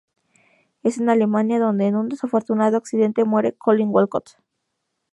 Es en Alemania donde en un desafortunado accidente muere Collin Walcott.